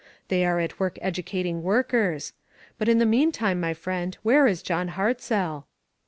They are at work educating workers. But in the meantime, my friend, where is John Hartzell?"